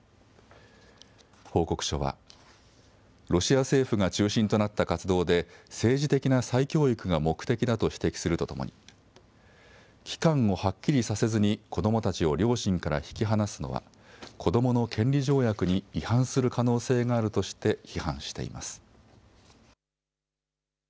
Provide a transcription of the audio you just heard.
報告書は、ロシア政府が中心となった活動で、政治的な再教育が目的だと指摘するとともに、期間をはっきりさせずに、子どもたちを両親から引き離すのは、子どもの権利条約に違反する可能性があるとして、批判しています。